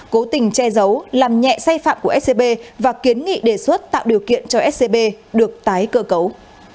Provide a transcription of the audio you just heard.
cố tình che giấu làm nhẹ sai phạm của scb và kiến nghị đề xuất tạo điều kiện cho scb được tái cơ cấu